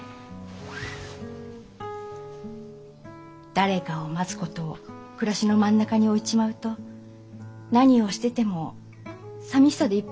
誰かを待つことを暮らしの真ん中に置いちまうと何をしててもさみしさでいっぱいになっちまう。